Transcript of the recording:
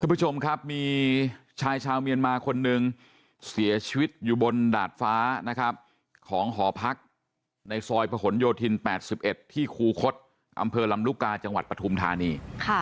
คุณผู้ชมครับมีชายชาวเมียนมาคนนึงเสียชีวิตอยู่บนดาดฟ้านะครับของหอพักในซอยประหลโยธิน๘๑ที่คูคศอำเภอลำลูกกาจังหวัดปฐุมธานี